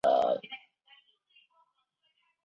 但是灯打上去很漂亮